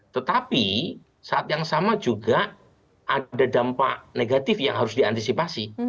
tetapi saat yang sama juga ada dampak negatif yang harus diantisipasi